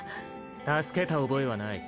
助けた覚えはない。